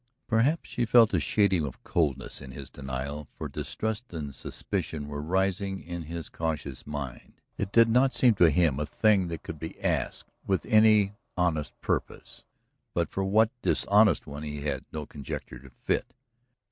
Perhaps she felt a shading of coldness in his denial, for distrust and suspicion were rising in his cautious mind. It did not seem to him a thing that could be asked with any honest purpose, but for what dishonest one he had no conjecture to fit.